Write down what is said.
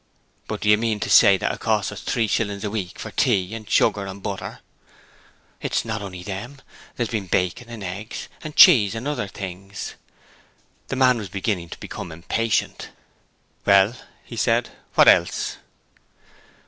'But do you mean to say it cost us three shillings a week for tea and sugar and butter?' 'It's not only them. There's been bacon and eggs and cheese and other things.' The man was beginning to become impatient. 'Well,' he said, 'What else?'